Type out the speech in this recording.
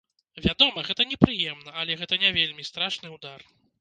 Вядома, гэта непрыемна, але гэта не вельмі страшны ўдар.